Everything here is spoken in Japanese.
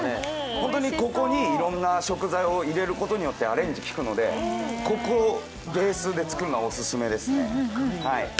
本当にここにいろんな食材を入れることによってアレンジが効くのでここをベースで作るのはオススメですね。